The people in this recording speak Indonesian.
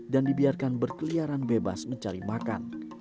dan dibiarkan berkeliaran bebas mencari makan